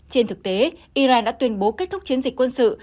trên thực tế iran đã tuyên bố kết thúc chiến dịch quân sự